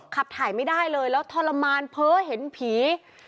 ขับถ่ายไม่ได้เลยแล้วทรมานเพ้อเห็นผี